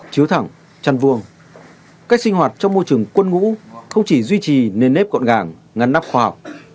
chiếu thẳng chăn vuông cách sinh hoạt trong môi trường quân ngũ không chỉ duy trì nền nếp gọn gàng ngăn nắp khoa học